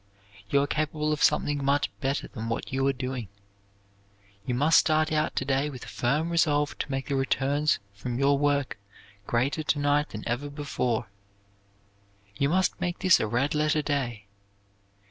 "You are capable of something much better than what you are doing. You must start out to day with a firm resolution to make the returns from your work greater to night than ever before. You must make this a red letter day.